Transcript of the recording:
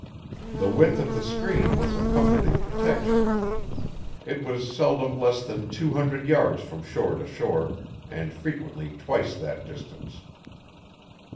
The width of the stream was a comforting protection. It was seldom less than two hundred yards from shore to shore and frequently twice that distance.